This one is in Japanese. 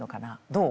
どう？